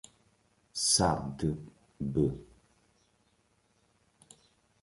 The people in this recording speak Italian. Saʿd b.